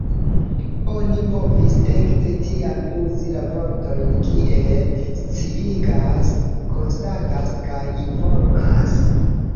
Oni povis ekde tiam uzi la vortojn kiel „sciigas“, „konstatas“ kaj „informas“.